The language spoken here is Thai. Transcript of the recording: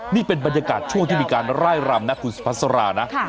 นี่เป็นบรรยากาศช่วงที่มีการไล่รำนะคุณสุพัสรานะ